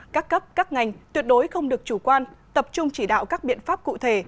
các cấp các ngành tuyệt đối không được chủ quan tập trung chỉ đạo các biện pháp cụ thể